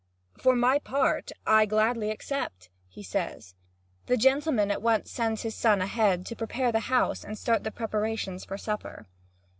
"For my part, I gladly accept," he says. The gentleman at once sends his son ahead, to prepare the house and start the preparations for supper.